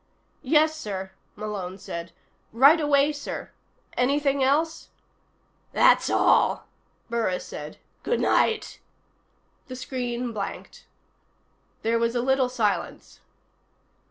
"Yes, sir," Malone said. "Right away, sir. Anything else?" "That's all," Burris said. "Good night." The screen blanked. There was a little silence.